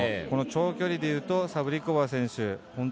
この長距離でいうとサブリコバー選手